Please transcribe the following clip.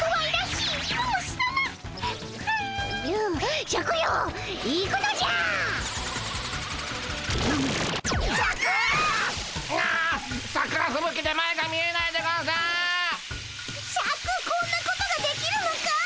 シャクこんなことができるのかい？